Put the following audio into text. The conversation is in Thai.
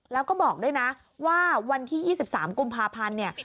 แล้วก็บอกด้วยนะว่าวันที่๒๓กุมภาพันธ์เนี่ย